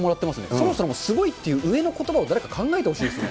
そもそもすごいの上のことばを誰か考えてほしいですね。